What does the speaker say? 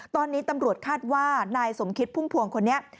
ตอนนี้ตำรวจคาดว่านายสมคิดพุ่มพวงคนนี้